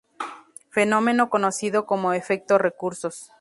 Fenómeno conocido como "efecto recursos".